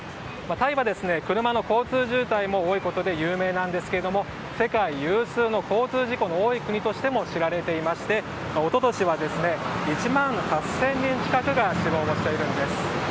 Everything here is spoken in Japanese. タイは車の交通渋滞も多いことで有名なんですが世界有数の交通事故の多い国としても知られていまして一昨年は１万８０００人近くが死亡しているんです。